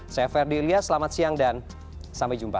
saya ferdi ilya selamat siang dan sampai jumpa